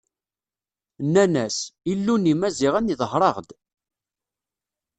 Nnan-as: Illu n Imaziɣen iḍher-aɣ-d.